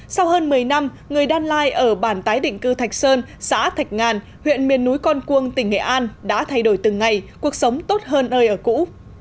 sau hơn một mươi năm người đan lai ở bản tái định cư thạch sơn xã thạch ngàn huyện miền núi con cuông tỉnh nghệ an đã thay đổi từng ngày cuộc sống tốt hơn nơi ở cũ